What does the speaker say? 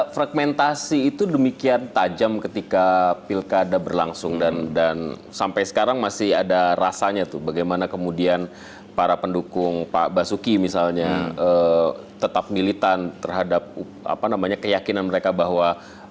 fragmentasi itu demikian tajam ketika pilkada berlangsung dan sampai sekarang masih ada rasanya tuh bagaimana kemudian para pendukung pak basuki misalnya tetap militan terhadap keyakinan mereka bahwa